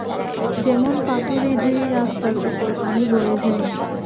যেমন পাথুরে ঝিরি রাস্তার উপর পানি বয়ে যায়।